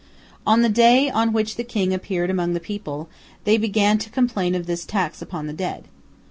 On the day on which the king appeared among the people, they began to complain of this tax upon the dead.